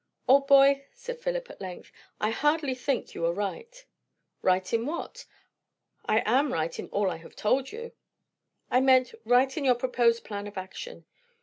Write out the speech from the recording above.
"Old boy," said Philip at length, "I hardly think you are right." "Right in what? I am right in all I have told you." "I meant, right in your proposed plan of action.